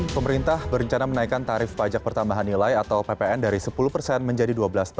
pemerintah berencana menaikkan tarif pajak pertambahan nilai atau ppn dari sepuluh persen menjadi dua belas